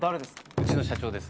うちの社長です。